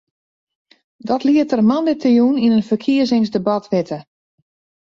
Dat liet er moandeitejûn yn in ferkiezingsdebat witte.